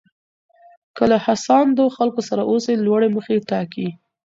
که له هڅاندو خلکو سره اوسئ لوړې موخې ټاکئ.